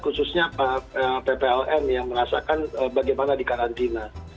khususnya ppln yang merasakan bagaimana di karantina